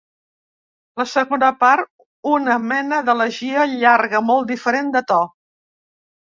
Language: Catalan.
La segona part és una mena d’elegia llarga molt diferent de to.